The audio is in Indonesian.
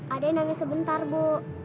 adik nangis sebentar bu